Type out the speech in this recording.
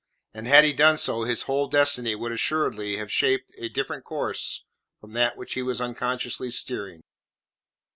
And had he done so, his whole destiny would assuredly have shaped a different course from that which he was unconsciously steering.